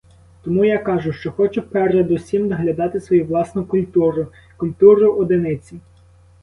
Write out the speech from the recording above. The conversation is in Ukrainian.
Тому я кажу, що хочу передусім доглядати свою власну культуру, культуру одиниці.